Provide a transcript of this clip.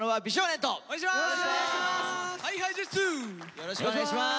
よろしくお願いします！